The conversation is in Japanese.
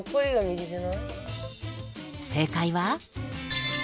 正解は。